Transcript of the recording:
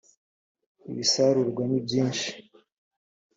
ibisarurwa ni byinshi